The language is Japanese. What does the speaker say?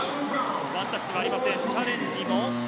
ワンタッチもありません。